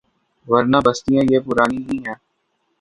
ورنہ بستیاں یہ پرانی ہی ہیں۔